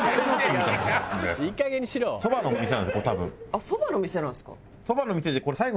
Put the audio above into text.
あっそばの店なんですか？